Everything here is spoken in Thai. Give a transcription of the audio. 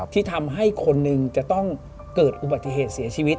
ที่ทำให้คนหนึ่งจะต้องเกิดอุบัติเหตุเสียชีวิต